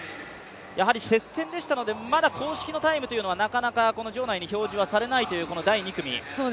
接戦でしたので、まだ公式のタイムというのはなかなか場内に表示されないという第２組。